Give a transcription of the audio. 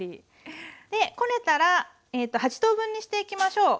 でこねたら８等分にしていきましょう。